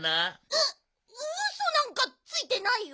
ウウソなんかついてないよ！